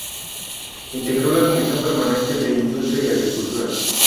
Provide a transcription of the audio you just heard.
Integró la Comisión Permanente de Industria y Agricultura.